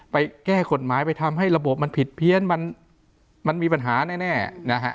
แก้กฎหมายไปทำให้ระบบมันผิดเพี้ยนมันมันมีปัญหาแน่นะฮะ